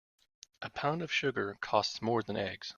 A pound of sugar costs more than eggs.